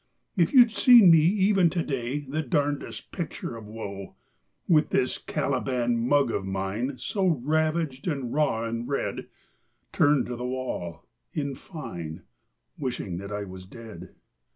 If you'd seen me even to day, The darndest picture of woe, With this Caliban mug of mine, So ravaged and raw and red, Turned to the wall in fine, Wishing that I was dead.